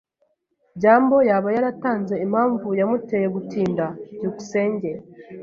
byambo yaba yaratanze impamvu yamuteye gutinda? byukusenge